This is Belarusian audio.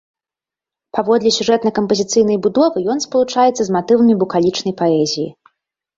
Паводле сюжэтна-кампазіцыйнай будовы ён спалучаецца з матывамі букалічнай паэзіі.